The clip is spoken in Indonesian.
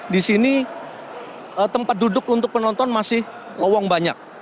di sini tempat duduk untuk penonton masih lowong banyak